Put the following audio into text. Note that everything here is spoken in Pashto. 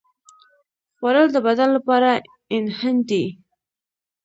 خوړل د بدن لپاره ایندھن دی